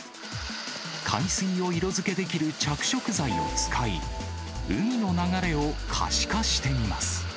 海水を色づけできる着色剤を使い、海の流れを可視化しています。